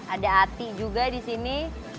ada ati juga disini